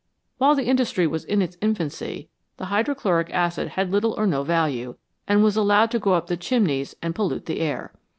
While the industry was in its infancy the hydrochloric acid had little or no value, and was allowed to go up the chimneys and pollute the air.